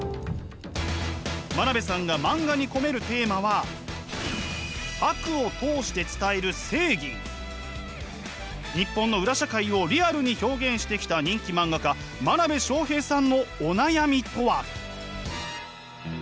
真鍋さんが漫画に込めるテーマは日本の裏社会をリアルに表現してきた人気漫画家真鍋昌平さんのお悩みとは？